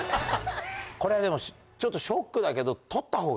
これでもちょっとショックだけど。